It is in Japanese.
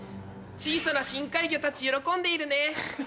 小さな深海魚たち喜んでいるね。